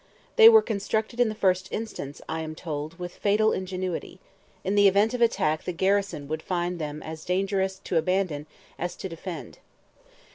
They were constructed in the first instance, I am told, with fatal ingenuity; in the event of an attack the garrison would find them as dangerous to abandon as to defend.